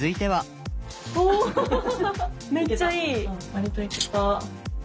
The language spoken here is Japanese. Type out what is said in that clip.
割といけた。